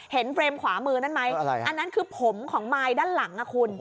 เฟรมขวามือนั่นไหมอันนั้นคือผมของมายด้านหลังคุณ